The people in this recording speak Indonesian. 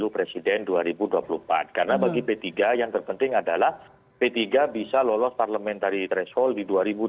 pertama p tiga bisa lulus parlementari threshold di dua ribu dua puluh empat